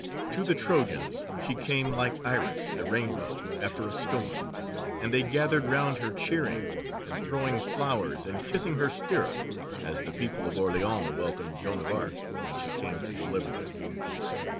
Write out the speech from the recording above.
To the Trojans she came like Iris, the Rainbow, after a storm, and they gathered round her cheering, and throwing flowers and kissing her stirrup, as the people of Orleans welcomed Joan of Arc when she came to deliver them.